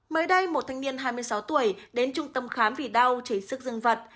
mới đây một thanh niên hai mươi sáu tuổi đến trung tâm khám vì đau chảy sức dân vật